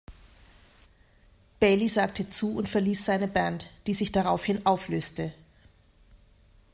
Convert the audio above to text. Bayley sagte zu und verließ seine Band, die sich daraufhin auflöste.